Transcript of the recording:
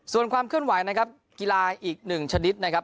ส่วนความเคลื่อนไหวนะครับกีฬาอีกหนึ่งชนิดนะครับ